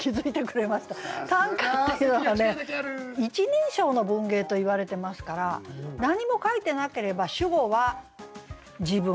１人称の文芸といわれてますから何も書いてなければ主語は「自分」。